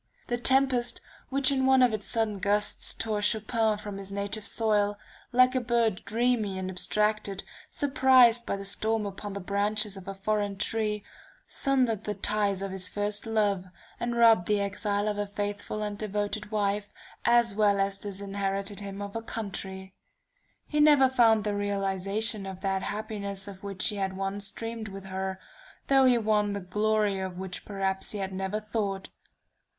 The tempest which in one of its sudden gusts tore Chopin from his native soil, like a bird dreamy and abstracted surprised by the storm upon the branches of a foreign tree, sundered the ties of this first love, and robbed the exile of a faithful and devoted wife, as well as disinherited him of a country. He never found the realization of that happiness of which he had once dreamed with her, though he won the glory of which perhaps he had never thought.